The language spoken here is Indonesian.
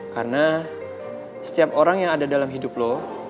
karena setiap orang yang ada dalam hidup lo